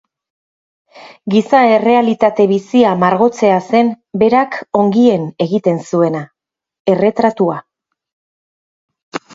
Giza errealitate bizia margotzea zen berak ongien egiten zuena: erretratua.